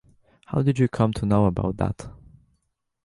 How did you come to know about that?